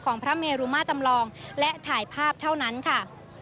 พระเมรุมาจำลองและถ่ายภาพเท่านั้นค่ะ